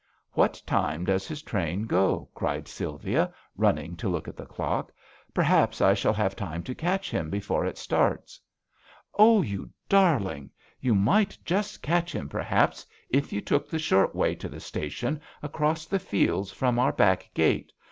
'*\Vhat time does his train go ?" cried Sylvia, running to look at the clock. '^ Perhaps I shall have time to catch him before it starts." Oh, you darling ! You might just catch him, perhaps, if you took the short way to the station, across the fields from our back gate.